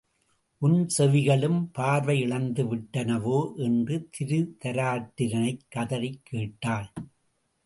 உன் செவிகளும் பார்வை இழந்து விட்டனவோ? என்ற திருதராட்டிரனைக் கதறிக் கேட்டாள்.